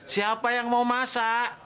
siapa yang mau masak